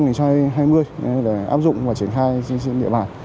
đây là áp dụng và triển khai trên địa bàn